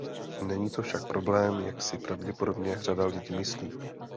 Není to však problém, jak si pravděpodobně řada lidí myslí.